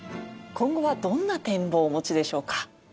今後はどんな展望をお持ちでしょうか？